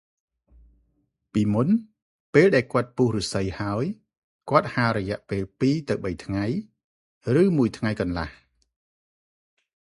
«ពីមុន ពេលដែលគាត់ពុះឫស្សីហើយ គាត់ហាលរយៈពេលពីរទៅបីថ្ងៃ ឬមួយថ្ងៃកន្លះ។